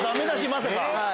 まさか。